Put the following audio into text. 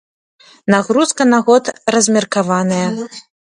Нагрузка на год размеркаваная.